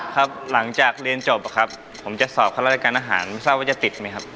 ครับหลังจากเรียนจบครับผมจะสอบข้าราชการอาหารทราบว่าจะติดไหมครับ